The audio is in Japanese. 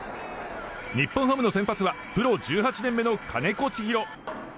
日本ハムの先発はプロ１８年目の金子千尋。